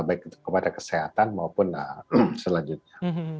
baik itu kepada kesehatan maupun selanjutnya